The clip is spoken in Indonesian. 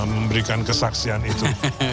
memberikan kesaksian itu